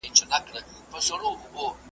هغه په توندو الفاظو